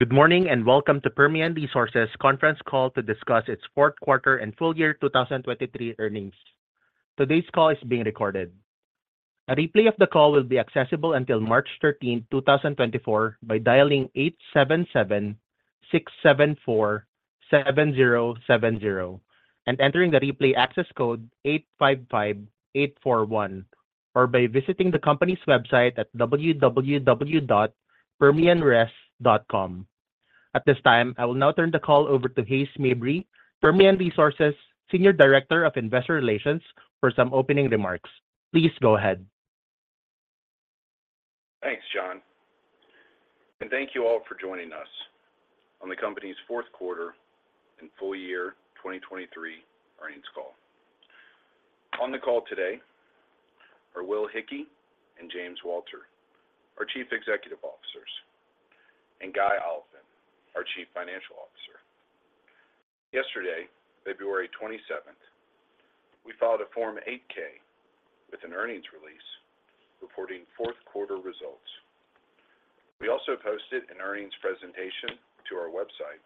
Good morning, and welcome to Permian Resources conference call to discuss its fourth quarter and full year 2023 earnings. Today's call is being recorded. A replay of the call will be accessible until March 13th, 2024, by dialing 877-674-7070 and entering the replay access code 855841, or by visiting the company's website at www.permianres.com. At this time, I will now turn the call over to Hays Mabry, Permian Resources Senior Director of Investor Relations, for some opening remarks. Please go ahead. Thanks, John, and thank you all for joining us on the company's fourth quarter and full year 2023 earnings call. On the call today are Will Hickey and James Walter, our Chief Executive Officers, and Guy Oliphint, our Chief Financial Officer. Yesterday, February 27th, we filed a Form 8-K with an earnings release reporting fourth quarter results. We also posted an earnings presentation to our website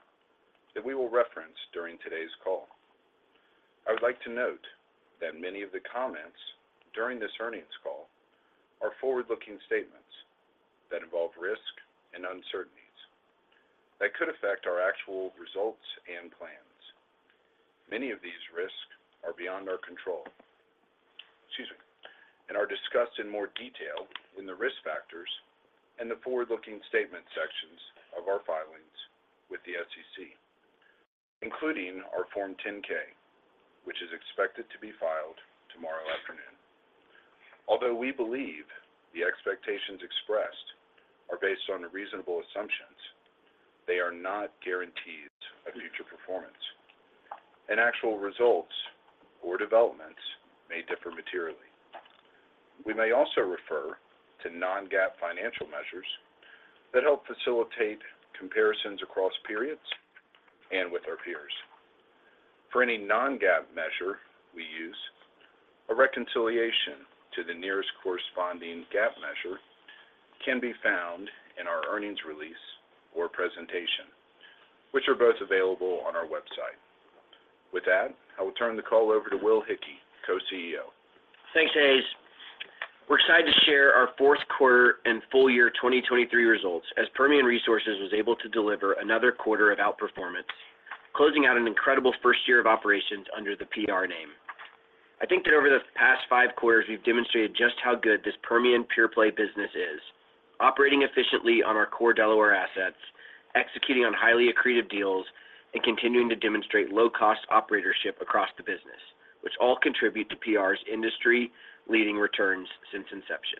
that we will reference during today's call. I would like to note that many of the comments during this earnings call are forward-looking statements that involve risk and uncertainties that could affect our actual results and plans. Many of these risks are beyond our control, excuse me, and are discussed in more detail in the risk factors and the forward-looking statement sections of our filings with the SEC, including our Form 10-K, which is expected to be filed tomorrow afternoon. Although we believe the expectations expressed are based on reasonable assumptions, they are not guarantees of future performance, and actual results or developments may differ materially. We may also refer to non-GAAP financial measures that help facilitate comparisons across periods and with our peers. For any non-GAAP measure we use, a reconciliation to the nearest corresponding GAAP measure can be found in our earnings release or presentation, which are both available on our website. With that, I will turn the call over to Will Hickey, Co-CEO. Thanks, Hays. We're excited to share our fourth quarter and full year 2023 results, as Permian Resources was able to deliver another quarter of outperformance, closing out an incredible first year of operations under the PR name. I think that over the past five quarters, we've demonstrated just how good this Permian pure-play business is, operating efficiently on our core Delaware assets, executing on highly accretive deals, and continuing to demonstrate low-cost operatorship across the business, which all contribute to PR's industry-leading returns since inception.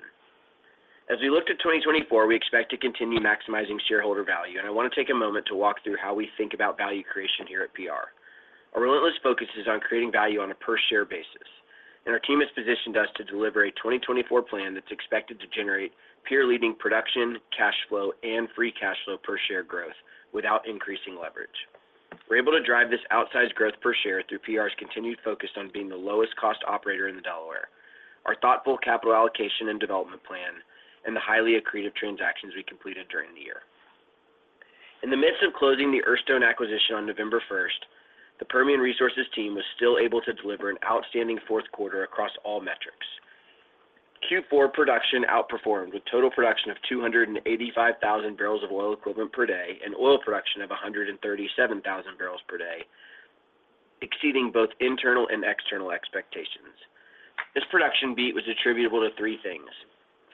As we looked at 2024, we expect to continue maximizing shareholder value, and I want to take a moment to walk through how we think about value creation here at PR. Our relentless focus is on creating value on a per-share basis, and our team has positioned us to deliver a 2024 plan that's expected to generate peer-leading production, cash flow, and free cash flow per share growth without increasing leverage. We're able to drive this outsized growth per share through PR's continued focus on being the lowest cost operator in the Delaware, our thoughtful capital allocation and development plan, and the highly accretive transactions we completed during the year. In the midst of closing the Earthstone acquisition on November first, the Permian Resources team was still able to deliver an outstanding fourth quarter across all metrics. Q4 production outperformed, with total production of 285,000 barrels of oil equivalent per day and oil production of 137,000 barrels per day, exceeding both internal and external expectations. This production beat was attributable to three things.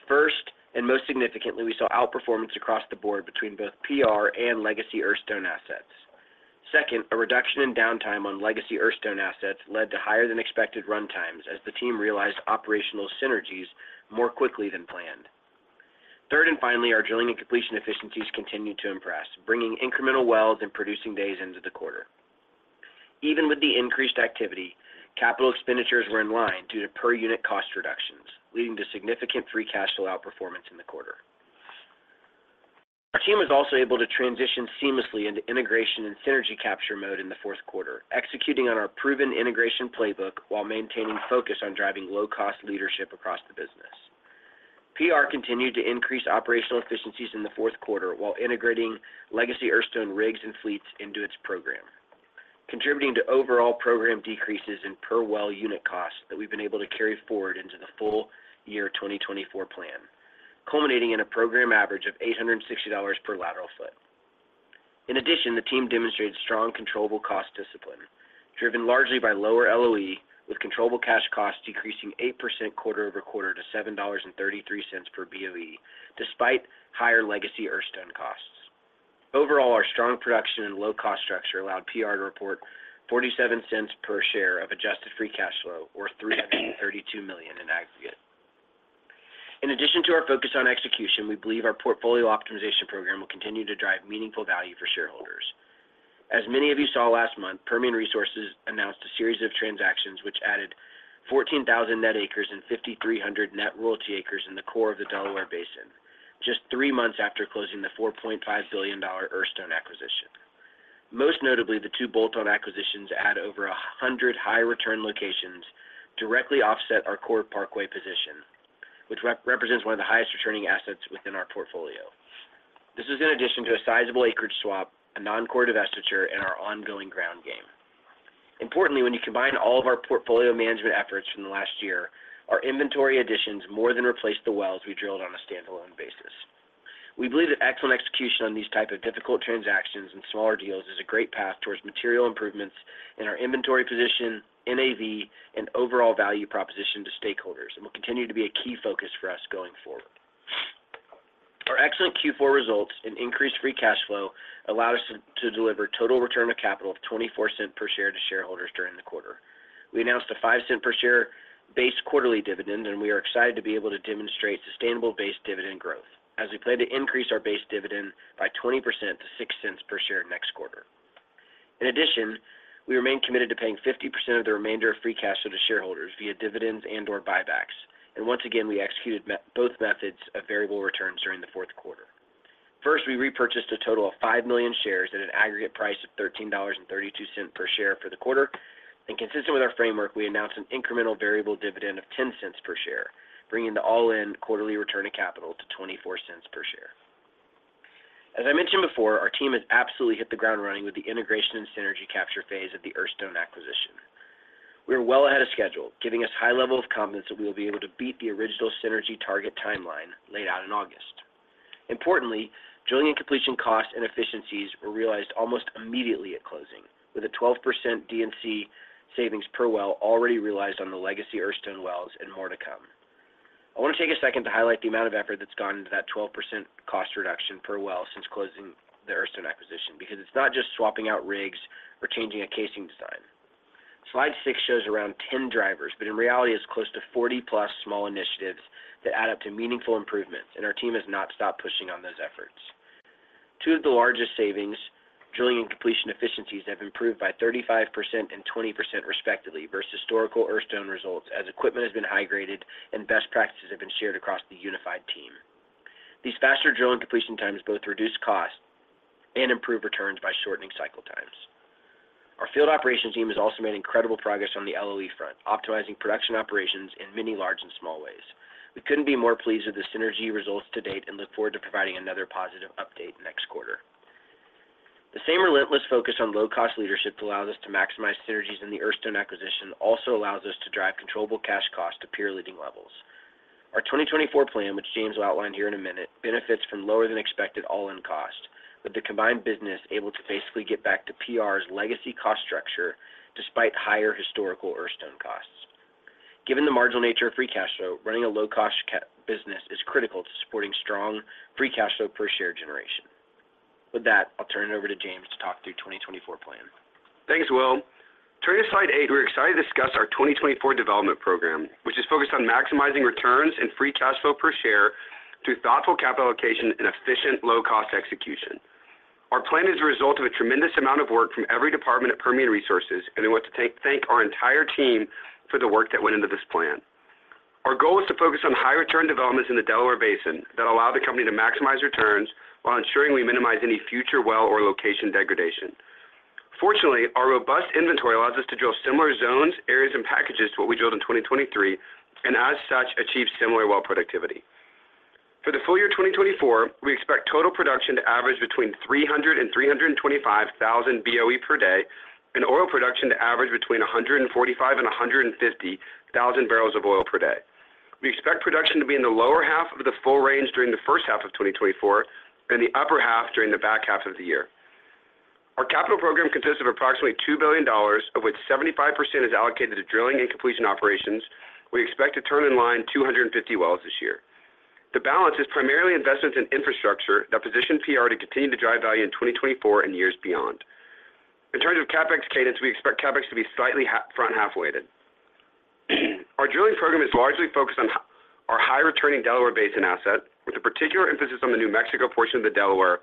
First, and most significantly, we saw outperformance across the board between both PR and legacy Earthstone assets. Second, a reduction in downtime on legacy Earthstone assets led to higher-than-expected runtimes as the team realized operational synergies more quickly than planned. Third, and finally, our drilling and completion efficiencies continued to impress, bringing incremental wells and producing days into the quarter. Even with the increased activity, capital expenditures were in line due to per unit cost reductions, leading to significant free cash flow outperformance in the quarter. Our team was also able to transition seamlessly into integration and synergy capture mode in the fourth quarter, executing on our proven integration playbook while maintaining focus on driving low-cost leadership across the business. PR continued to increase operational efficiencies in the fourth quarter while integrating legacy Earthstone rigs and fleets into its program, contributing to overall program decreases in per well unit costs that we've been able to carry forward into the full year 2024 plan, culminating in a program average of $860 per lateral foot. In addition, the team demonstrated strong controllable cost discipline, driven largely by lower LOE, with controllable cash costs decreasing 8% quarter-over-quarter to $7.33 per BOE, despite higher legacy Earthstone costs. Overall, our strong production and low cost structure allowed PR to report $0.47 per share of adjusted free cash flow, or $332 million in aggregate. In addition to our focus on execution, we believe our portfolio optimization program will continue to drive meaningful value for shareholders. As many of you saw last month, Permian Resources announced a series of transactions which added 14,000 net acres and 5,300 net royalty acres in the core of the Delaware Basin, just three months after closing the $4.5 billion Earthstone acquisition. Most notably, the two bolt-on acquisitions add over 100 high return locations, directly offset our core Parkway position, which represents one of the highest returning assets within our portfolio. This is in addition to a sizable acreage swap, a non-core divestiture, and our ongoing ground game. Importantly, when you combine all of our portfolio management efforts from the last year, our inventory additions more than replaced the wells we drilled on a standalone basis. We believe that excellent execution on these type of difficult transactions and smaller deals is a great path towards material improvements in our inventory position, NAV, and overall value proposition to stakeholders, and will continue to be a key focus for us going forward. Our excellent Q4 results and increased free cash flow allowed us to deliver total return of capital of $0.24 per share to shareholders during the quarter. We announced a $0.05 per share base quarterly dividend, and we are excited to be able to demonstrate sustainable base dividend growth, as we plan to increase our base dividend by 20% to $0.06 per share next quarter. In addition, we remain committed to paying 50% of the remainder of free cash flow to shareholders via dividends and/or buybacks, and once again, we executed both methods of variable returns during the fourth quarter. First, we repurchased a total of five million shares at an aggregate price of $13.32 per share for the quarter, and consistent with our framework, we announced an incremental variable dividend of $0.10 per share, bringing the all-in quarterly return of capital to $0.24 per share. As I mentioned before, our team has absolutely hit the ground running with the integration and synergy capture phase of the Earthstone acquisition. We are well ahead of schedule, giving us high level of confidence that we will be able to beat the original synergy target timeline laid out in August. Importantly, drilling and completion costs and efficiencies were realized almost immediately at closing, with a 12% D&C savings per well already realized on the legacy Earthstone wells and more to come. I want to take a second to highlight the amount of effort that's gone into that 12% cost reduction per well since closing the Earthstone acquisition, because it's not just swapping out rigs or changing a casing design. Slide 6 shows around 10 drivers, but in reality, it's close to 40+ small initiatives that add up to meaningful improvements, and our team has not stopped pushing on those efforts. Two of the largest savings, drilling and completion efficiencies, have improved by 35% and 20% respectively versus historical Earthstone results, as equipment has been high graded and best practices have been shared across the unified team. These faster drill and completion times both reduce costs and improve returns by shortening cycle times. Our field operations team has also made incredible progress on the LOE front, optimizing production operations in many large and small ways. We couldn't be more pleased with the synergy results to date and look forward to providing another positive update next quarter. The same relentless focus on low cost leadership that allows us to maximize synergies in the Earthstone acquisition also allows us to drive controllable cash costs to peer-leading levels. Our 2024 plan, which James will outline here in a minute, benefits from lower than expected all-in costs, with the combined business able to basically get back to PR's legacy cost structure despite higher historical Earthstone costs. Given the marginal nature of free cash flow, running a low-cost business is critical to supporting strong free cash flow per share generation. With that, I'll turn it over to James to talk through 2024 plan. Thanks, Will. Turning to slide 8, we're excited to discuss our 2024 development program, which is focused on maximizing returns and free cash flow per share through thoughtful capital allocation and efficient, low-cost execution. Our plan is a result of a tremendous amount of work from every department at Permian Resources, and we want to thank our entire team for the work that went into this plan. Our goal is to focus on high return developments in the Delaware Basin that allow the company to maximize returns while ensuring we minimize any future well or location degradation. Fortunately, our robust inventory allows us to drill similar zones, areas, and packages to what we drilled in 2023, and as such, achieve similar well productivity. For the full year 2024, we expect total production to average between 300 and 325 thousand BOE per day, and oil production to average between 145 and 150 thousand barrels of oil per day. We expect production to be in the lower half of the full range during the first half of 2024 and the upper half during the back half of the year. Our capital program consists of approximately $2 billion, of which 75% is allocated to drilling and completion operations. We expect to turn in line 250 wells this year. The balance is primarily investments in infrastructure that position PR to continue to drive value in 2024 and years beyond. In terms of CapEx cadence, we expect CapEx to be slightly front half weighted. Our drilling program is largely focused on our high-returning Delaware Basin asset, with a particular emphasis on the New Mexico portion of the Delaware,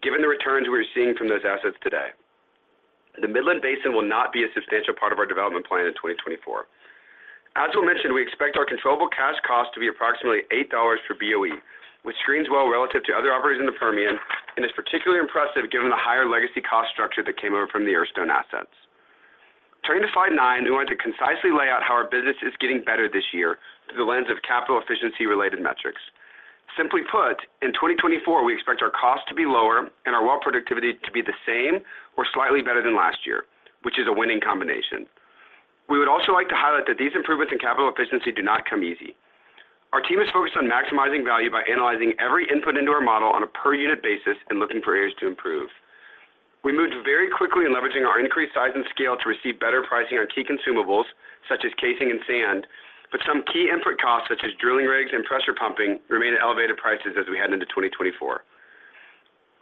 given the returns we are seeing from those assets today. The Midland Basin will not be a substantial part of our development plan in 2024. As Will mentioned, we expect our controllable cash cost to be approximately $8 per BOE, which screens well relative to other operators in the Permian and is particularly impressive given the higher legacy cost structure that came over from the Earthstone assets. Turning to slide 9, we want to concisely lay out how our business is getting better this year through the lens of capital efficiency-related metrics. Simply put, in 2024, we expect our costs to be lower and our well productivity to be the same or slightly better than last year, which is a winning combination. We would also like to highlight that these improvements in capital efficiency do not come easy. Our team is focused on maximizing value by analyzing every input into our model on a per unit basis and looking for areas to improve. We moved very quickly in leveraging our increased size and scale to receive better pricing on key consumables, such as casing and sand, but some key input costs, such as drilling rigs and pressure pumping, remain at elevated prices as we head into 2024.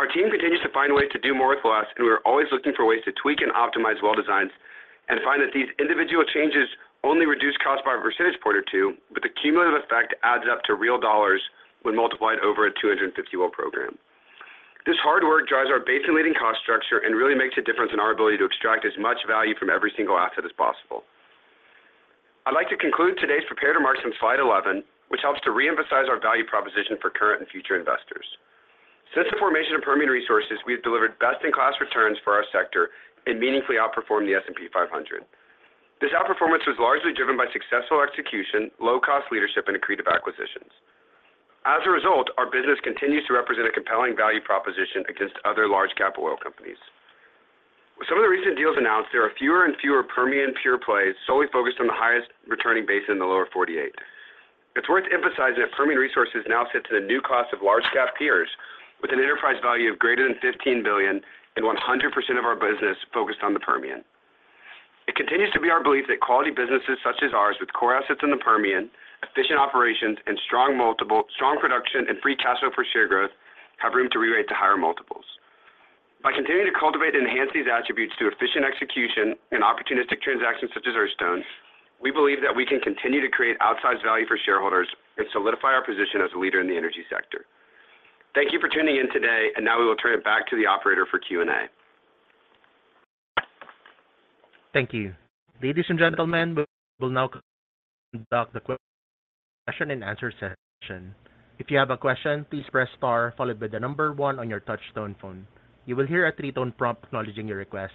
Our team continues to find ways to do more with less, and we are always looking for ways to tweak and optimize well designs and find that these individual changes only reduce costs by a percentage point or two, but the cumulative effect adds up to real dollars when multiplied over a 250-well program. This hard work drives our basin-leading cost structure and really makes a difference in our ability to extract as much value from every single asset as possible. I'd like to conclude today's prepared remarks on slide 11, which helps to reemphasize our value proposition for current and future investors. Since the formation of Permian Resources, we have delivered best-in-class returns for our sector and meaningfully outperformed the S&P 500. This outperformance was largely driven by successful execution, low-cost leadership, and accretive acquisitions. As a result, our business continues to represent a compelling value proposition against other large cap oil companies. With some of the recent deals announced, there are fewer and fewer Permian pure plays solely focused on the highest returning basin in the Lower 48. It's worth emphasizing that Permian Resources now sits in the new class of large cap peers with an enterprise value of greater than $15 billion and 100% of our business focused on the Permian. It continues to be our belief that quality businesses such as ours, with core assets in the Permian, efficient operations, and strong production and free cash flow per share growth, have room to rerate to higher multiples. By continuing to cultivate and enhance these attributes through efficient execution and opportunistic transactions such as Earthstone, we believe that we can continue to create outsized value for shareholders and solidify our position as a leader in the energy sector. Thank you for tuning in today, and now we will turn it back to the operator for Q&A. Thank you. Ladies and gentlemen, we will now conduct the question and answer session. If you have a question, please press star followed by the number one on your touchtone phone. You will hear a three-tone prompt acknowledging your request.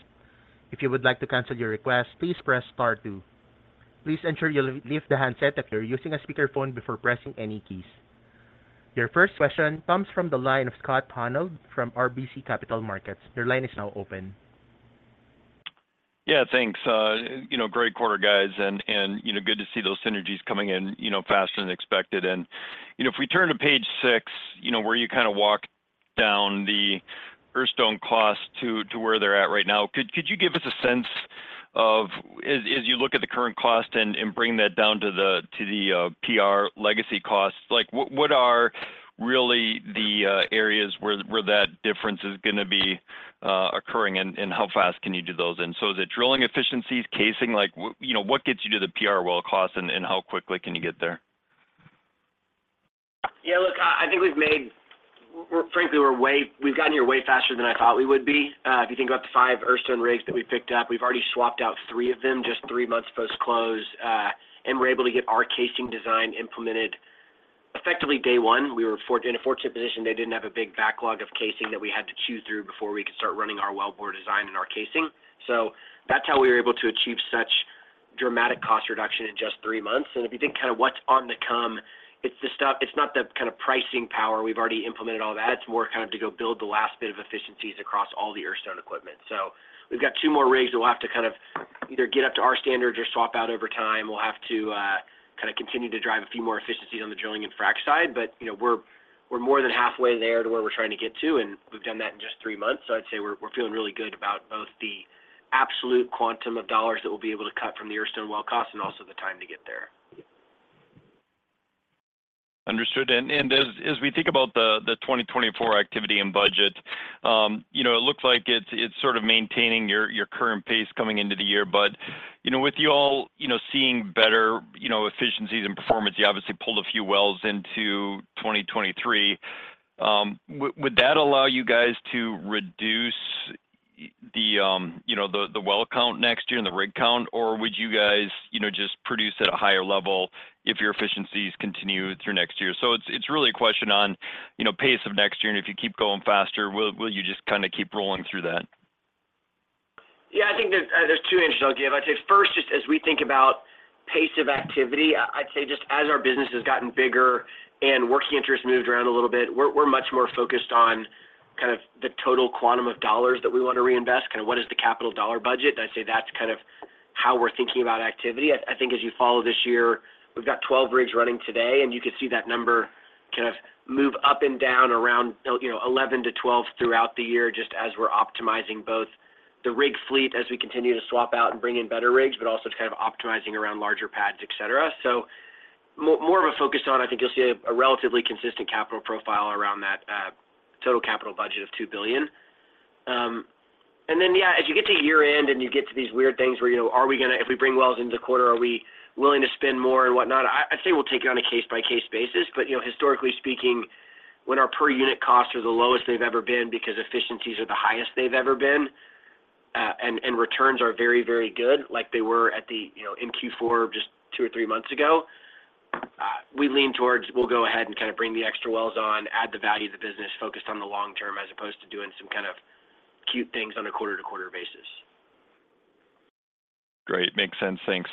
If you would like to cancel your request, please press star two. Please ensure you leave the handset if you're using a speakerphone before pressing any keys. Your first question comes from the line of Scott Hanold from RBC Capital Markets. Your line is now open. Yeah, thanks. You know, great quarter, guys, and you know, good to see those synergies coming in, you know, faster than expected. And you know, if we turn to page six, you know, where you kind of walk down the Earthstone costs to where they're at right now, could you give us a sense of as you look at the current cost and bring that down to the PR legacy costs? Like, what are really the areas where that difference is gonna be occurring, and how fast can you do those? And so is it drilling efficiencies, casing? Like, you know, what gets you to the PR well cost, and how quickly can you get there? Yeah, look, I think we've made. frankly, we're way—we've gotten here way faster than I thought we would be. If you think about the five Earthstone rigs that we picked up, we've already swapped out three of them just three months post-close, and we're able to get our casing design implemented effectively day one. We were in a fortunate position they didn't have a big backlog of casing that we had to chew through before we could start running our wellbore design and our casing. So that's how we were able to achieve such dramatic cost reduction in just three months. And if you think kind of what's on to come, it's the stuff—it's not the kind of pricing power. We've already implemented all that. It's more kind of to go build the last bit of efficiencies across all the Earthstone equipment. So we've got two more rigs that we'll have to kind of either get up to our standards or swap out over time. We'll have to, kind of continue to drive a few more efficiencies on the drilling and frack side, but, you know, we're, we're more than halfway there to where we're trying to get to, and we've done that in just three months. So I'd say we're, we're feeling really good about both the absolute quantum of dollars that we'll be able to cut from the Earthstone well cost and also the time to get there. Understood. As we think about the 2024 activity and budget, you know, it looks like it's sort of maintaining your current pace coming into the year. But, you know, with you all, you know, seeing better, you know, efficiencies and performance, you obviously pulled a few wells into 2023. Would that allow you guys to reduce the well count next year and the rig count? Or would you guys, you know, just produce at a higher level if your efficiencies continue through next year? So it's really a question on, you know, pace of next year, and if you keep going faster, will you just kind of keep rolling through that? Yeah, I think there's, there's two answers I'll give. I'd say first, just as we think about pace of activity, I'd say just as our business has gotten bigger and working interest moved around a little bit, we're, we're much more focused on kind of the total quantum of dollars that we want to reinvest, kind of what is the capital dollar budget? And I'd say that's kind of how we're thinking about activity. I think as you follow this year, we've got 12 rigs running today, and you could see that number kind of move up and down around, you know, 11-12 throughout the year, just as we're optimizing both the rig fleet as we continue to swap out and bring in better rigs, but also kind of optimizing around larger pads, et cetera. So more of a focus on I think you'll see a relatively consistent capital profile around that total capital budget of $2 billion. And then, yeah, as you get to year-end and you get to these weird things where, you know, are we gonna—if we bring wells into the quarter, are we willing to spend more and whatnot? I'd say we'll take it on a case-by-case basis. But, you know, historically speaking, when our per unit costs are the lowest they've ever been because efficiencies are the highest they've ever been, and returns are very, very good like they were at the, you know, in Q4 just two or three months ago, we lean towards we'll go ahead and kind of bring the extra wells on, add the value of the business focused on the long term, as opposed to doing some kind of cute things on a quarter-to-quarter basis. Great. Makes sense. Thanks.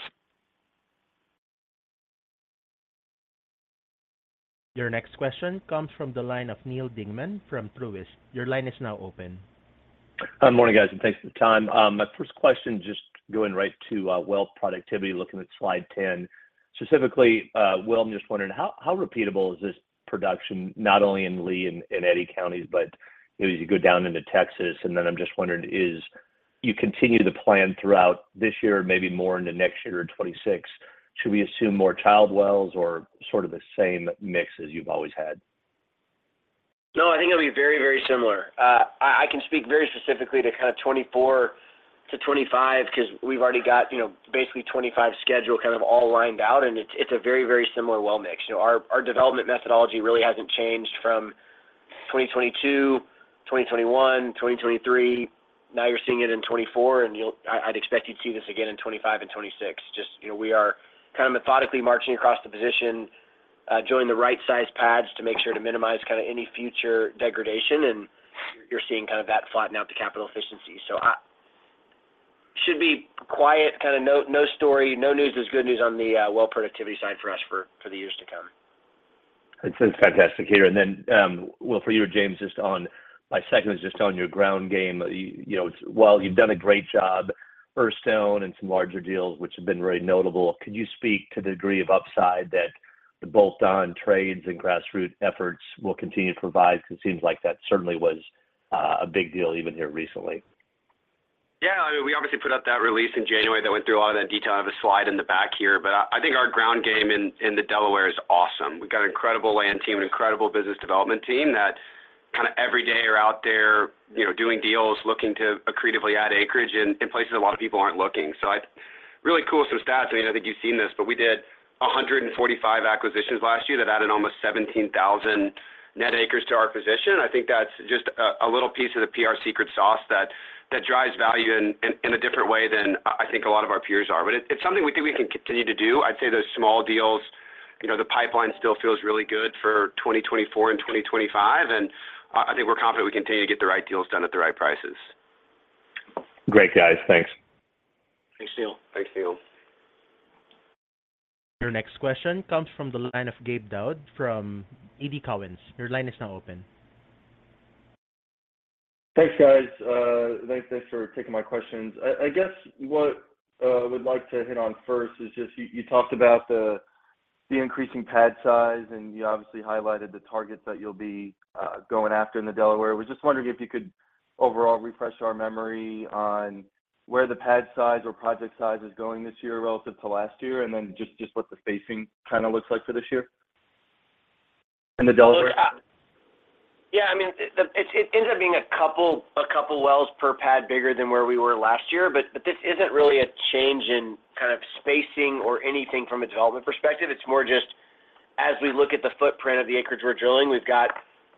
Your next question comes from the line of Neal Dingmann from Truist. Your line is now open. Morning, guys, and thanks for the time. My first question, just going right to well productivity, looking at slide 10. Specifically, Will, I'm just wondering how repeatable is this production, not only in Lea and Eddy Counties, but you know, as you go down into Texas? And then I'm just wondering, as you continue to plan throughout this year, maybe more into next year in 2026, should we assume more child wells or sort of the same mix as you've always had? No, I think it'll be very, very similar. I can speak very specifically to kind of 2024 to 2025, because we've already got, you know, basically 2025 schedule kind of all lined out, and it's, it's a very, very similar well mix. You know, our, our development methodology really hasn't changed from 2022, 2021, 2023. Now you're seeing it in 2024, and you'll, I'd expect you'd see this again in 2025 and 2026. Just, you know, we are kind of methodically marching across the position, joining the right-sized pads to make sure to minimize kind of any future degradation, and you're seeing kind of that flatten out the capital efficiency. So I should be quiet, kind of no, no story. No news is good news on the well productivity side for us for the years to come. That's fantastic to hear. And then, well, for you, James, just on my second is just on your ground game. You know, while you've done a great job, Earthstone and some larger deals, which have been very notable, could you speak to the degree of upside that the bolt-on trades and grassroot efforts will continue to provide? Because it seems like that certainly was, a big deal even here recently. Yeah, I mean, we obviously put out that release in January that went through a lot of that detail. I have a slide in the back here, but I, I think our ground game in, in the Delaware is awesome. We've got an incredible land team, an incredible business development team, that kind of every day are out there, you know, doing deals, looking to accretively add acreage in, in places a lot of people aren't looking. So I really cool some stats, I mean, I think you've seen this, but we did 145 acquisitions last year that added almost 17,000 net acres to our position. I think that's just a, a little piece of the PR secret sauce that, that drives value in, in, in a different way than I, I think a lot of our peers are. It's something we think we can continue to do. I'd say those small deals, you know, the pipeline still feels really good for 2024 and 2025, and I think we're confident we continue to get the right deals done at the right prices. Great, guys. Thanks. Thanks, Neal. Thanks, Neal. Your next question comes from the line of Gabe Daoud from TD Cowen. Your line is now open. Thanks, guys, thanks for taking my questions. I guess what I would like to hit on first is just you talked about the increasing pad size, and you obviously highlighted the targets that you'll be going after in the Delaware. I was just wondering if you could overall refresh our memory on where the pad size or project size is going this year relative to last year, and then just what the spacing kind of looks like for this year in the Delaware? Well, yeah. I mean, it ends up being a couple wells per pad bigger than where we were last year. But this isn't really a change in kind of spacing or anything from a development perspective. It's more just as we look at the footprint of the acreage we're drilling, we've got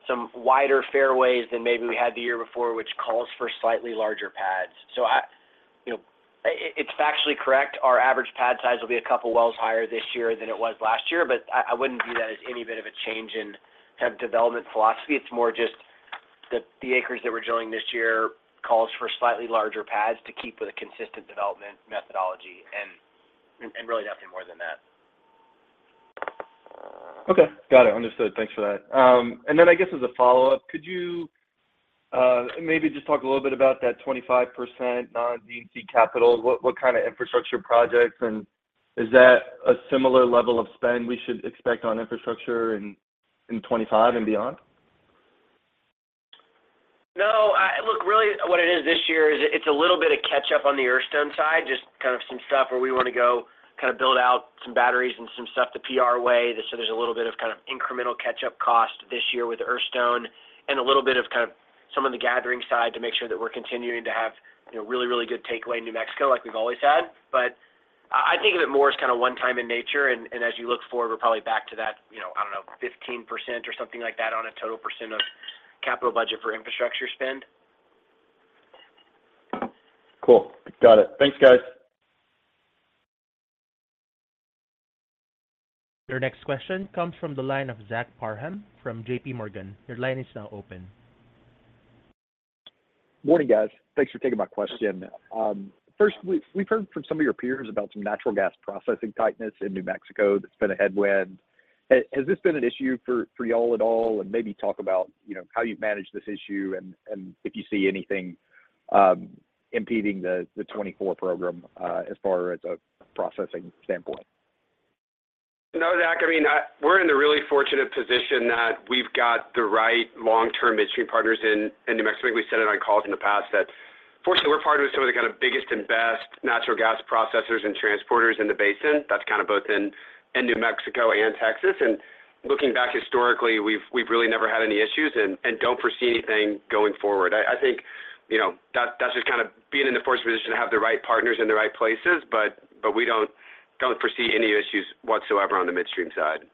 some wider fairways than maybe we had the year before, which calls for slightly larger pads. So I—you know, it's factually correct. Our average pad size will be a couple wells higher this year than it was last year, but I wouldn't view that as any bit of a change in kind of development philosophy. It's more just the acres that we're drilling this year calls for slightly larger pads to keep with a consistent development methodology and really nothing more than that. Okay. Got it. Understood. Thanks for that. And then I guess as a follow-up, could you maybe just talk a little bit about that 25% non-D&C capital? What kind of infrastructure projects, and is that a similar level of spend we should expect on infrastructure in 2025 and beyond? No, I look, really, what it is this year is it's a little bit of catch-up on the Earthstone side, just kind of some stuff where we want to go, kind of build out some batteries and some stuff the PR way. So there's a little bit of kind of incremental catch-up cost this year with Earthstone and a little bit of kind of some on the gathering side to make sure that we're continuing to have, you know, really, really good takeaway in New Mexico, like we've always had. But I think of it more as kind of one-time in nature, and as you look forward, we're probably back to that, you know, I don't know, 15% or something like that on a total percent of capital budget for infrastructure spend. Cool. Got it. Thanks, guys. Your next question comes from the line of Zach Parham from JPMorgan. Your line is now open. Morning, guys. Thanks for taking my question. First, we've heard from some of your peers about some natural gas processing tightness in New Mexico that's been a headwind. Has this been an issue for you all at all? And maybe talk about, you know, how you've managed this issue and if you see anything impeding the 2024 program as far as a processing standpoint. No, Zach, I mean, we're in the really fortunate position that we've got the right long-term midstream partners in New Mexico. I think we said it on calls in the past, that fortunately, we're partnered with some of the kind of biggest and best natural gas processors and transporters in the basin. That's kind of both in New Mexico and Texas. And looking back historically, we've really never had any issues and don't foresee anything going forward. I think, you know, that's just kind of being in the fortunate position to have the right partners in the right places, but we don't foresee any issues whatsoever on the midstream side.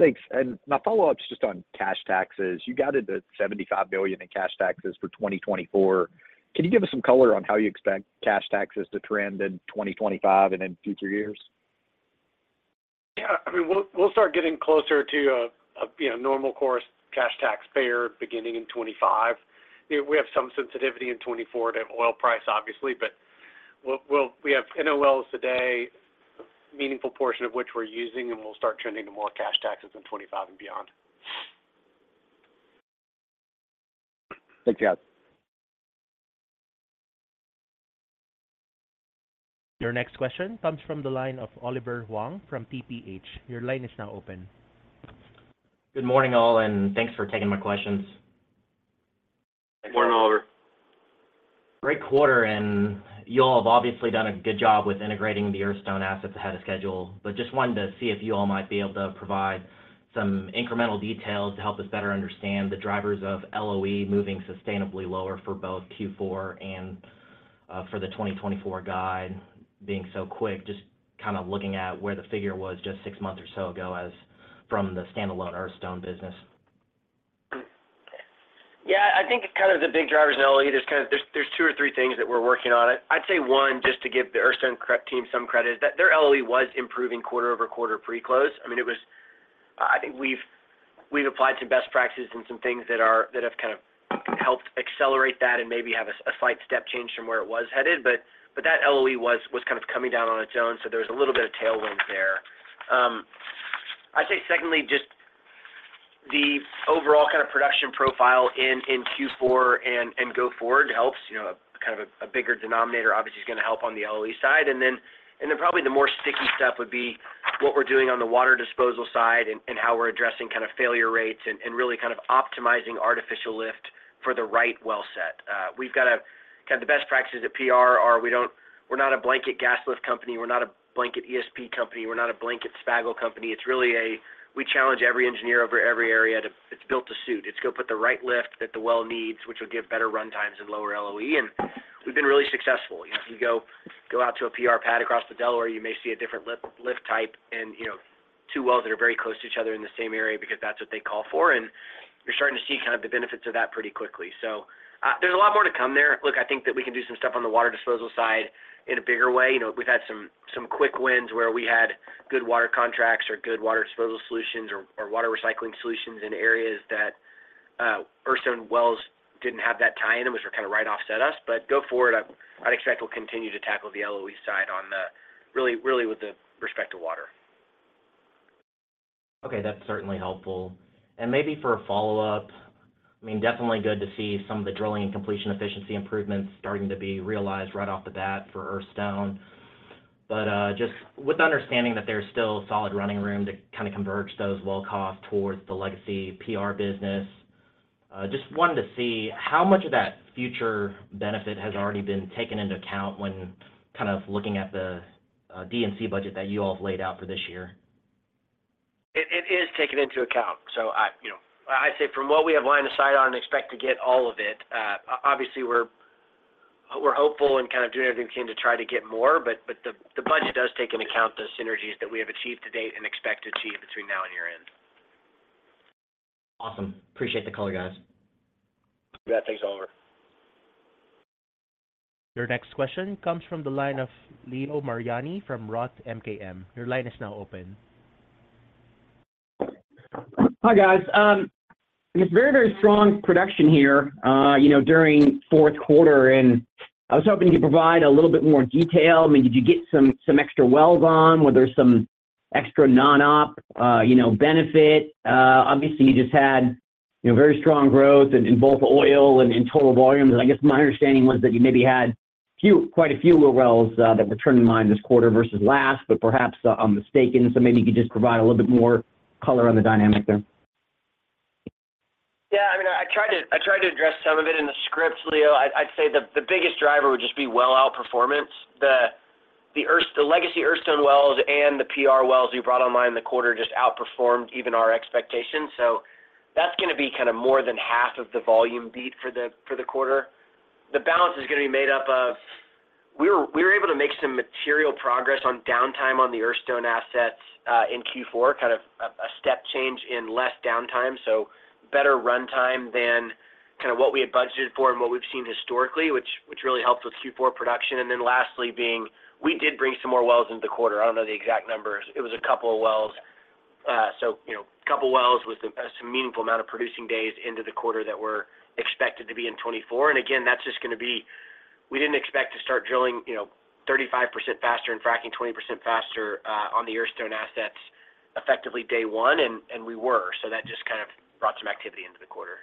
Thanks. My follow-up is just on cash taxes. You guided $75 billion in cash taxes for 2024. Can you give us some color on how you expect cash taxes to trend in 2025 and in future years? Yeah. I mean, we'll start getting closer to a, you know, normal course cash taxpayer beginning in 2025. You know, we have some sensitivity in 2024 to oil price, obviously, but we'll—we have NOLs today, a meaningful portion of which we're using, and we'll start trending to more cash taxes in 2025 and beyond. Thanks, guys. Your next question comes from the line of Oliver Huang from TPH. Your line is now open. Good morning, all, and thanks for taking my questions. Good morning, Oliver. Great quarter, and you all have obviously done a good job with integrating the Earthstone assets ahead of schedule. But just wanted to see if you all might be able to provide some incremental details to help us better understand the drivers of LOE moving sustainably lower for both Q4 and for the 2024 guide being so quick, just kind of looking at where the figure was just six months or so ago as from the standalone Earthstone business? Yeah, I think it's kind of the big drivers in LOE. There's kind of two or three things that we're working on. I'd say one, just to give the Earthstone core team some credit, is that their LOE was improving quarter over quarter pre-close. I mean, it was, I think we've applied some best practices and some things that have kind of helped accelerate that and maybe have a slight step change from where it was headed. But that LOE was kind of coming down on its own, so there was a little bit of tailwind there. I'd say secondly, just the overall kind of production profile in Q4 and go forward helps, you know, kind of a bigger denominator obviously is gonna help on the LOE side. And then probably the more sticky stuff would be what we're doing on the water disposal side and how we're addressing kind of failure rates and really kind of optimizing artificial lift for the right well set. We've got kind of the best practices at PR are we don't, we're not a blanket gas lift company, we're not a blanket ESP company, we're not a blanket rod pump company. It's really we challenge every engineer over every area to it's built to suit. It's go put the right lift that the well needs, which will give better runtimes and lower LOE, and we've been really successful. You know, if you go out to a PR pad across the Delaware, you may see a different lift type and, you know, two wells that are very close to each other in the same area because that's what they call for, and you're starting to see kind of the benefits of that pretty quickly. So, there's a lot more to come there. Look, I think that we can do some stuff on the water disposal side in a bigger way. You know, we've had some quick wins where we had good water contracts or good water disposal solutions or water recycling solutions in areas that Earthstone wells didn't have that tie-in, and which were kind of write-offs at us. But go forward, I'd expect we'll continue to tackle the LOE side on the really with the respect to water. Okay, that's certainly helpful. And maybe for a follow-up, I mean, definitely good to see some of the drilling and completion efficiency improvements starting to be realized right off the bat for Earthstone. But, just with the understanding that there's still solid running room to kind of converge those well costs towards the legacy PR business, just wanted to see how much of that future benefit has already been taken into account when kind of looking at the, D&C budget that you all have laid out for this year? It is taken into account. So I, you know, I'd say from what we have line of sight on and expect to get all of it, obviously, we're hopeful and kind of doing everything we can to try to get more, but the budget does take into account those synergies that we have achieved to date and expect to achieve between now and year-end. Awesome. Appreciate the color, guys. Yeah. Thanks, Oliver. Your next question comes from the line of Leo Mariani from Roth MKM. Your line is now open. Hi, guys. It's very, very strong production here, you know, during fourth quarter, and I was hoping you could provide a little bit more detail. I mean, did you get some, some extra wells on, were there some extra non-op, you know, benefit? Obviously, you just had, you know, very strong growth in, in both oil and in total volumes. And I guess my understanding was that you maybe had few-- quite a few more wells, that were turned in line this quarter versus last, but perhaps I'm mistaken. So maybe you could just provide a little bit more color on the dynamic there. Yeah, I mean, I tried to, I tried to address some of it in the script, Leo. I'd, I'd say the, the biggest driver would just be well outperformance. The, the Earthstone—the legacy Earthstone wells and the PR wells you brought online in the quarter just outperformed even our expectations. So that's gonna be kind of more than half of the volume beat for the, for the quarter. The balance is gonna be made up of. We were, we were able to make some material progress on downtime on the Earthstone assets, in Q4, kind of a, a step change in less downtime, so better runtime than kind of what we had budgeted for and what we've seen historically, which, which really helped with Q4 production. And then lastly, being we did bring some more wells into the quarter. I don't know the exact numbers. It was a couple of wells. So, you know, a couple of wells with some, some meaningful amount of producing days into the quarter that were expected to be in 2024. And again, that's just gonna be—we didn't expect to start drilling, you know, 35% faster and fracking 20% faster on the Earthstone assets effectively day one, and, and we were. So that just kind of brought some activity into the quarter.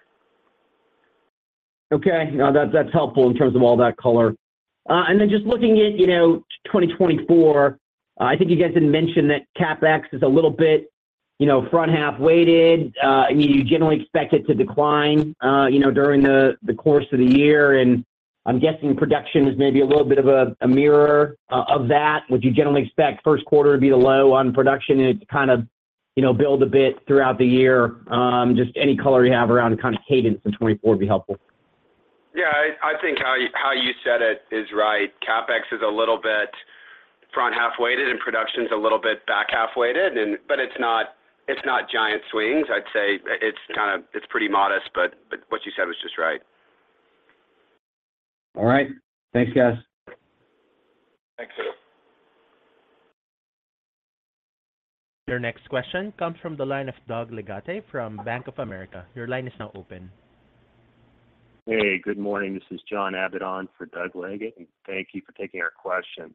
Okay. No, that's, that's helpful in terms of all that color. And then just looking at, you know, 2024, I think you guys did mention that CapEx is a little bit, you know, front-half weighted. I mean, you generally expect it to decline, you know, during the, the course of the year, and I'm guessing production is maybe a little bit of a mirror of that. Would you generally expect first quarter to be the low on production and it to kind of, you know, build a bit throughout the year? Just any color you have around kind of cadence in 2024 would be helpful. Yeah, I think how you said it is right. CapEx is a little bit front-half weighted, and production's a little bit back-half weighted, but it's not giant swings. I'd say it's kind of, it's pretty modest, but what you said was just right. All right. Thanks, guys. Thanks, Leo. Your next question comes from the line of Doug Leggate from Bank of America. Your line is now open. Hey, good morning. This is John Abbott for Doug Leggate, and thank you for taking our questions.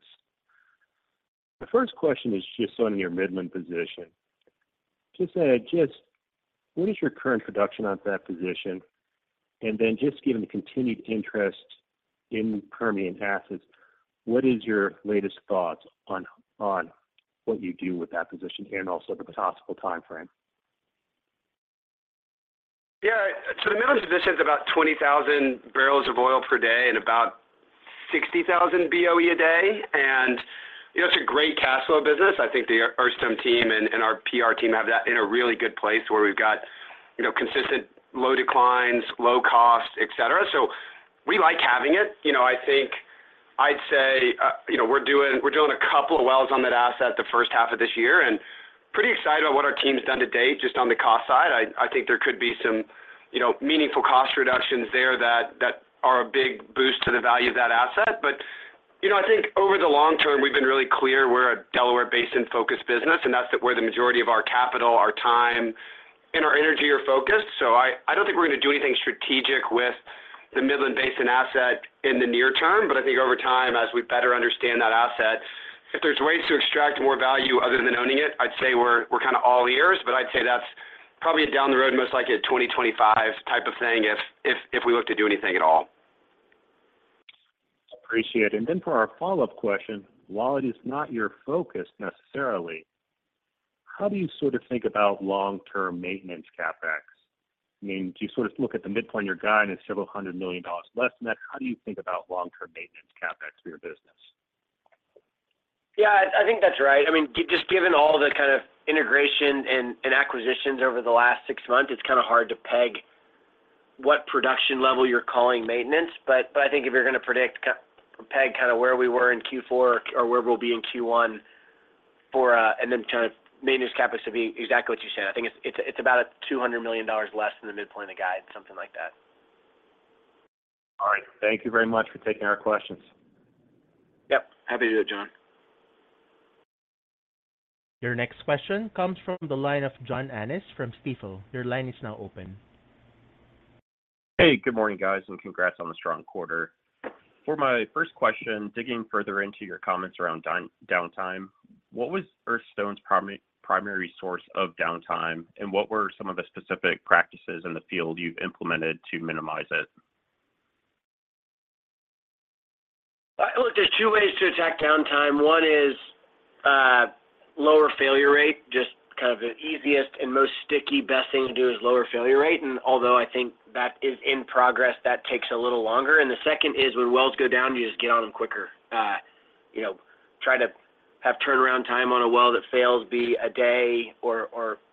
The first question is just on your Midland position. Just, just what is your current production on that position? And then just given the continued interest in Permian assets, what is your latest thoughts on, on what you do with that position and also the possible timeframe? Yeah. So the Midland position is about 20,000 barrels of oil per day and about 60,000 BOE a day, and. It's a great cash flow business. I think the Earthstone team and our PR team have that in a really good place where we've got, you know, consistent low declines, low cost, et cetera. So we like having it. You know, I think I'd say, you know, we're doing a couple of wells on that asset the first half of this year, and pretty excited about what our team has done to date, just on the cost side. I think there could be some, you know, meaningful cost reductions there that are a big boost to the value of that asset. But, you know, I think over the long term, we've been really clear we're a Delaware Basin-focused business, and that's where the majority of our capital, our time, and our energy are focused. So I don't think we're gonna do anything strategic with the Midland Basin asset in the near term, but I think over time, as we better understand that asset, if there's ways to extract more value other than owning it, I'd say we're kinda all ears. But I'd say that's probably down the road, most likely a 2025 type of thing, if we look to do anything at all. Appreciate it. And then for our follow-up question, while it is not your focus necessarily, how do you sort of think about long-term maintenance CapEx? I mean, do you sort of look at the midpoint, your guide, and it's several $100 million less than that. How do you think about long-term maintenance CapEx for your business? Yeah, I think that's right. I mean, just given all the kind of integration and acquisitions over the last six months, it's kinda hard to peg what production level you're calling maintenance. But I think if you're gonna predict kind of peg kinda where we were in Q4 or where we'll be in Q1 for. And then kind of maintenance CapEx to be exactly what you said. I think it's about $200 million less than the midpoint of the guide, something like that. All right. Thank you very much for taking our questions. Yep. Happy to do it, John. Your next question comes from the line of John Annis from Stifel. Your line is now open. Hey, good morning, guys, and congrats on the strong quarter. For my first question, digging further into your comments around down, downtime, what was Earthstone's primary, primary source of downtime, and what were some of the specific practices in the field you've implemented to minimize it? Look, there's two ways to attack downtime. One is lower failure rate. Just kind of the easiest and most sticky, best thing to do is lower failure rate. And although I think that is in progress, that takes a little longer. And the second is, when wells go down, you just get on them quicker. You know, try to have turnaround time on a well that fails, be a day or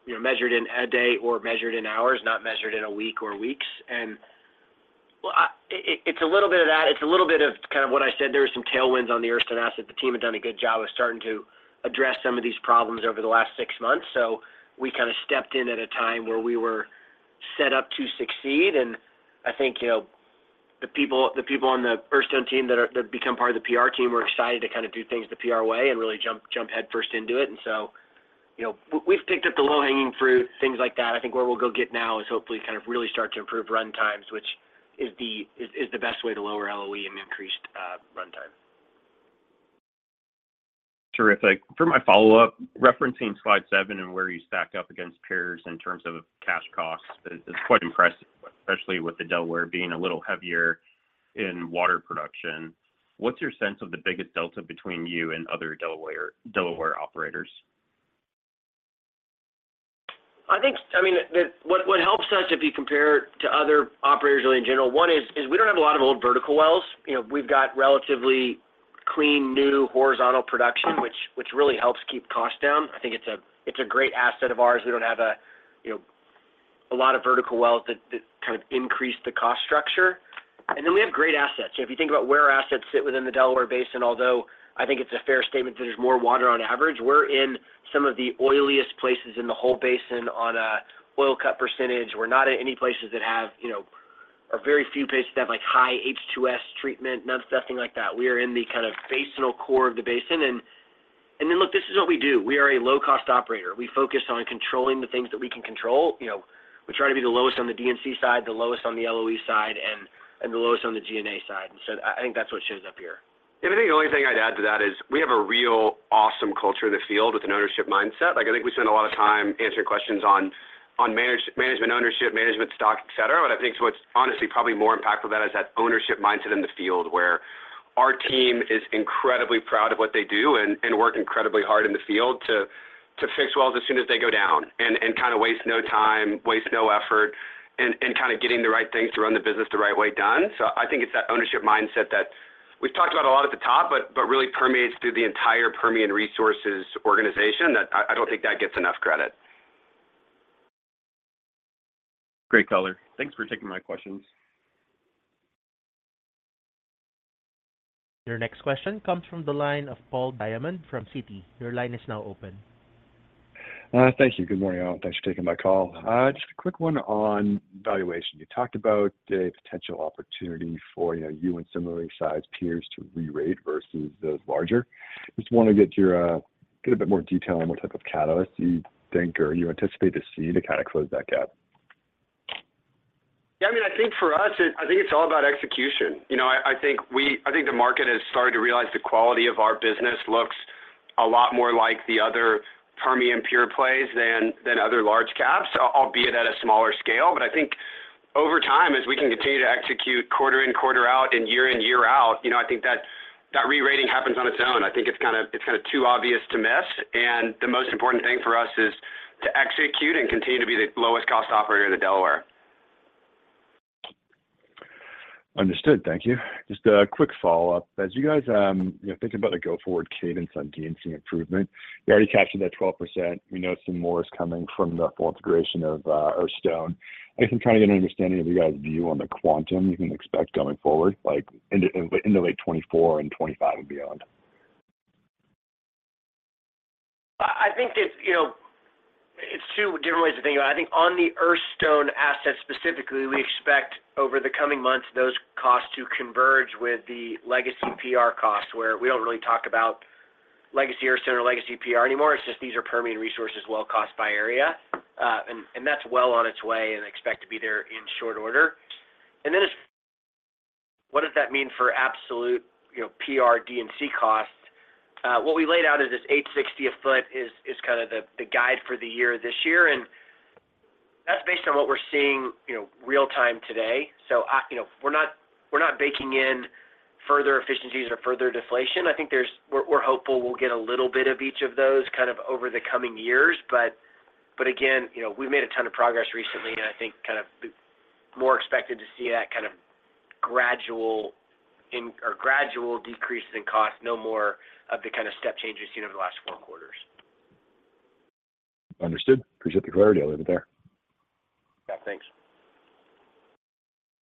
you know, measured in a day or measured in hours, not measured in a week or weeks. And, well, it's a little bit of that. It's a little bit of kind of what I said. There are some tailwinds on the Earthstone asset. The team have done a good job of starting to address some of these problems over the last six months. So we kinda stepped in at a time where we were set up to succeed, and I think, you know, the people on the Earthstone team that become part of the PR team are excited to kinda do things the PR way and really jump headfirst into it. And so, you know, we've picked up the low-hanging fruit, things like that. I think where we'll go get now is hopefully kind of really start to improve runtimes, which is the best way to lower LOE and increase runtime. Terrific. For my follow-up, referencing slide 7 and where you stack up against peers in terms of cash costs, it's, it's quite impressive, especially with the Delaware being a little heavier in water production. What's your sense of the biggest delta between you and other Delaware, Delaware operators? I think. I mean, what helps us, if you compare to other operators really in general, one is we don't have a lot of old vertical wells. You know, we've got relatively clean, new horizontal production, which really helps keep costs down. I think it's a great asset of ours. We don't have a, you know, a lot of vertical wells that kind of increase the cost structure. And then we have great assets. If you think about where our assets sit within the Delaware Basin, although I think it's a fair statement that there's more water on average, we're in some of the oiliest places in the whole basin on a oil cut percentage. We're not in any places that have, you know, or very few places that have, like, high H2S treatment, none of the stuff like that. We are in the kind of basinal core of the basin. And then, look, this is what we do. We are a low-cost operator. We focus on controlling the things that we can control. You know, we try to be the lowest on the D&C side, the lowest on the LOE side, and the lowest on the G&A side. And so I think that's what shows up here. I think the only thing I'd add to that is we have a real awesome culture in the field with an ownership mindset. Like, I think we spend a lot of time answering questions on management ownership, management stock, et cetera. But I think what's honestly probably more impactful than that is that ownership mindset in the field, where our team is incredibly proud of what they do and work incredibly hard in the field to fix wells as soon as they go down and kinda waste no time, waste no effort in kinda getting the right things to run the business the right way done. So I think it's that ownership mindset that we've talked about a lot at the top, but really permeates through the entire Permian Resources organization, that I don't think that gets enough credit. Great color. Thanks for taking my questions. Your next question comes from the line of Paul Diamond from Citi. Your line is now open. Thank you. Good morning, all, and thanks for taking my call. Just a quick one on valuation. You talked about the potential opportunity for, you know, you and similarly sized peers to rerate versus the larger. Just want to get your, get a bit more detail on what type of catalyst you think or you anticipate to see to kinda close that gap. Yeah, I mean, I think for us, it, I think it's all about execution. You know, I, I think we, I think the market has started to realize the quality of our business looks a lot more like the other Permian pure plays than, than other large caps, albeit at a smaller scale. But I think over time, as we can continue to execute quarter in, quarter out and year in, year out, you know, I think that, that re-rating happens on its own. I think it's kinda, it's kinda too obvious to miss, and the most important thing for us is to execute and continue to be the lowest cost operator in the Delaware. Understood. Thank you. Just a quick follow-up. As you guys, you know, think about the go-forward cadence on D&C improvement, you already captured that 12%. We know some more is coming from the full integration of Earthstone. I'm just trying to get an understanding of you guys' view on the quantum you can expect going forward, like, in the late 2024 and 2025 and beyond. I think it's, you know, it's two different ways to think about it. I think on the Earthstone asset specifically, we expect over the coming months, those costs to converge with the legacy PR costs, where we don't really talk about legacy Earthstone or legacy PR anymore. It's just these are Permian Resources well cost by area. And that's well on its way and expect to be there in short order. And then what does that mean for absolute, you know, PR D&C costs? What we laid out is this $860 a foot is kind of the guide for the year this year, and that's based on what we're seeing, you know, real-time today. So, you know, we're not baking in further efficiencies or further deflation. I think there's. We're hopeful we'll get a little bit of each of those kind of over the coming years. But again, you know, we've made a ton of progress recently, and I think kind of more expected to see that kind of gradual decreases in cost, no more of the kind of step changes seen over the last four quarters. Understood. Appreciate the clarity. I'll leave it there. Yeah, thanks.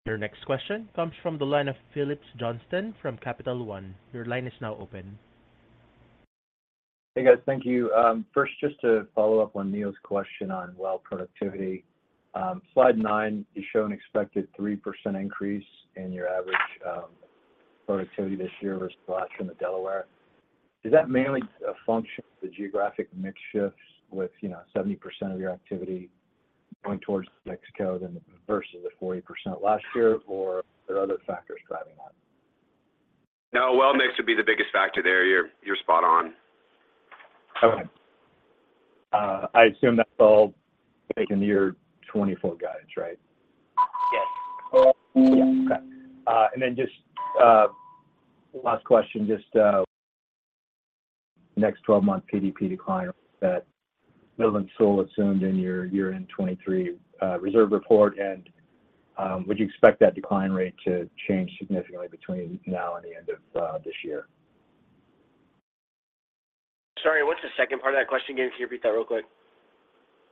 Your next question comes from the line of Phillips Johnston from Capital One. Your line is now open. Hey, guys. Thank you. First, just to follow up on Neil's question on well productivity. Slide 9, you show an expected 3% increase in your average productivity this year versus last in the Delaware. Is that mainly a function of the geographic mix shifts with, you know, 70% of your activity going towards New Mexico than versus the 40% last year, or there are other factors driving that? No, well, mix would be the biggest factor there. You're, you're spot on. Okay. I assume that's all baked in your 2024 guidance, right? Yes. Yeah. Okay. And then just last question, just next 12-month PDP decline that Netherland, Sewell & Associates assumed in your year-end 2023 reserve report, and would you expect that decline rate to change significantly between now and the end of this year? Sorry, what's the second part of that question again? Can you repeat that real quick?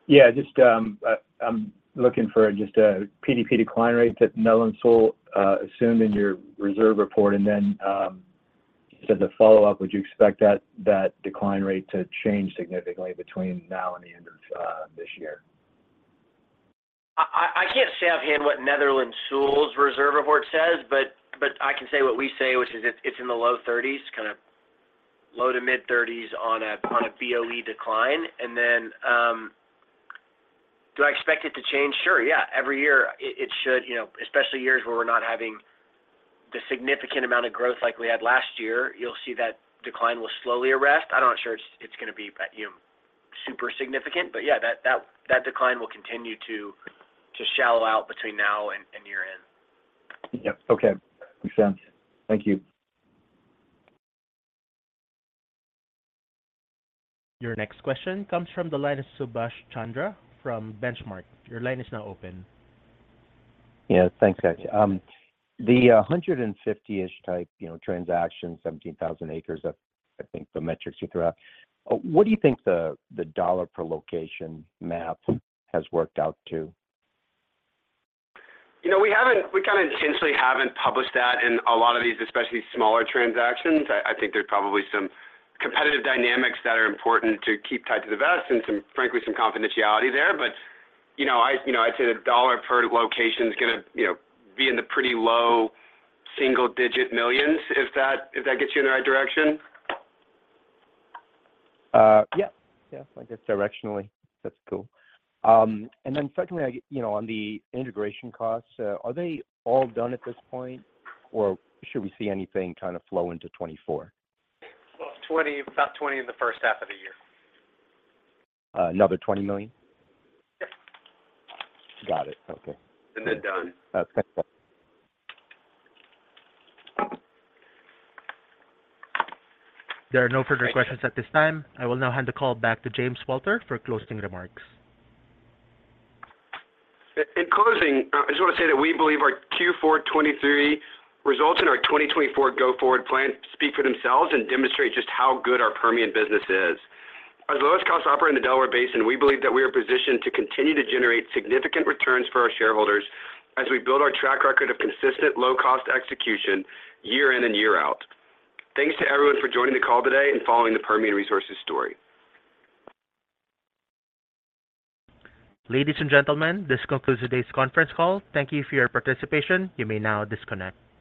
Yeah, just, I'm looking for just a PDP decline rate that Netherland, Sewell & Associates assumed in your reserve report, and then, just as a follow-up, would you expect that decline rate to change significantly between now and the end of this year? I can't say offhand what the Netherland, Sewell & Associates reserve report says, but I can say what we say, which is it's in the low 30s, kind of low- to mid-30s on a BOE decline. Then, do I expect it to change? Sure, yeah. Every year it should, you know, especially years where we're not having the significant amount of growth like we had last year, you'll see that decline will slowly arrest. I'm not sure it's gonna be, you know, super significant, but yeah, that decline will continue to shallow out between now and year-end. Yep. Okay. Makes sense. Thank you. Your next question comes from the line of Subash Chandra from Benchmark. Your line is now open. Yeah, thanks, guys. The 150-ish type, you know, transaction, 17,000 acres, I think the metrics you threw out. What do you think the dollar per location math has worked out to? You know, we haven't-- we kinda intentionally haven't published that in a lot of these, especially smaller transactions. I, I think there's probably some competitive dynamics that are important to keep tied to the vest and some, frankly, some confidentiality there. But, you know, I, you know, I'd say the dollar per location is gonna, you know, be in the pretty low single-digit millions, if that, if that gets you in the right direction. Yeah. Yeah, I guess directionally, that's cool. And then secondly, you know, on the integration costs, are they all done at this point, or should we see anything kind of flow into 2024? Well, 20, about 20 in the first half of the year. Another $20 million? Yeah. Got it. Okay. And then done. Uh, thanks. There are no further questions at this time. I will now hand the call back to James Walter for closing remarks. In closing, I just want to say that we believe our Q4 2023 results and our 2024 go-forward plan speak for themselves and demonstrate just how good our Permian business is. As the lowest cost operator in the Delaware Basin, we believe that we are positioned to continue to generate significant returns for our shareholders as we build our track record of consistent low cost execution year in and year out. Thanks to everyone for joining the call today and following the Permian Resources story. Ladies and gentlemen, this concludes today's conference call. Thank you for your participation. You may now disconnect.